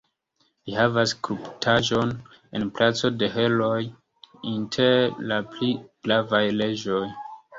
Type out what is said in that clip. Li havas skulptaĵon en Placo de Herooj inter la pli gravaj reĝoj.